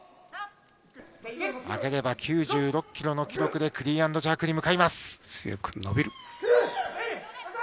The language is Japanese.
挙げれば９６キロの記録でクリーンアンドジャークに向かいま強く伸びる。